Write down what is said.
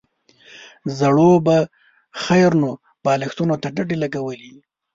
زړو به خيرنو بالښتونو ته ډډې لګولې وې.